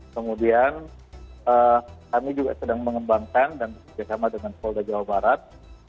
kemudian kami juga sedang mengembangkan dan bekerjasama dengan polda jawa barat